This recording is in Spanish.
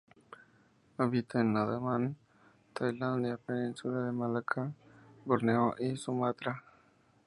Habita en Andaman, Tailandia, Península de Malaca, Borneo y Sumatra.